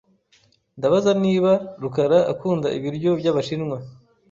Ndabaza niba rukaraakunda ibiryo byabashinwa.